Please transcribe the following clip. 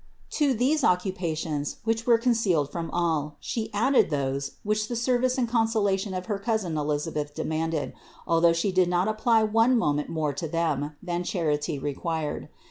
To these occupations, which were concealed from all, She added those, which the service and consolation of her cousin Elisabeth demanded, although She did not apply one moment more to them, than charity required.